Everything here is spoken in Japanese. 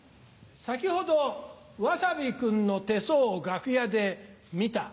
先ほどわさび君の手相を楽屋で見た。